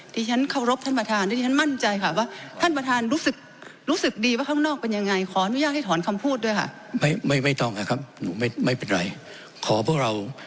ที่ฉันเคารพท่านประธานด้วยที่ฉันมั่นใจค่ะว่า